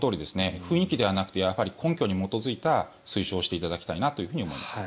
雰囲気ではなくて根拠に基づいた推奨をしていただきたいなと思います。